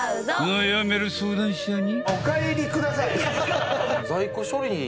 悩める相談者に